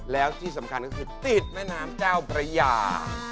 แล้วที่สำคัญก็คือติดแม่น้ำเจ้าพระยา